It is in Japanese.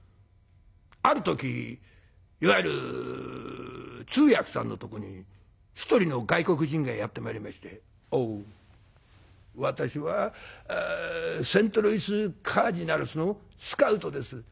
ある時いわゆる通訳さんのとこに１人の外国人がやって参りまして「オウ私はセントルイス・カージナルスのスカウトです。